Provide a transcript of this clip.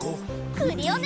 クリオネ！